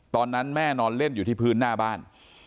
ตอนนั้นแม่นอนเล่นอยู่ที่พื้นหน้าบ้าน